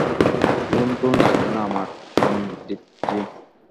Loan টোন লাগবে না আমার, পন্ডিতজি।